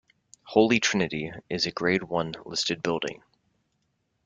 Holy Trinity is a Grade One listed building.